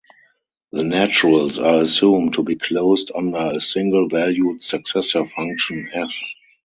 The naturals are assumed to be closed under a single-valued "successor" function "S".